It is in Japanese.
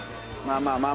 まあまあ。